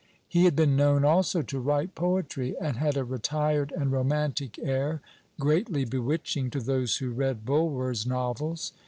He had been known, also, to write poetry, and had a retired and romantic air greatly bewitching to those who read Bulwer's novels.